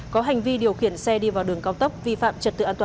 có hành vi điều khiển xe đi vào đường cao tốc vi phạm trật tự an toàn giao thông